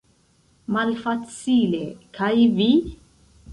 Malfacile; kaj vi?